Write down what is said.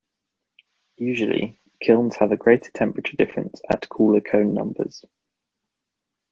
Usually, kilns have a greater temperature difference at cooler cone numbers.